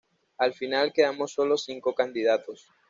Al final quedamos sólo cinco candidatos.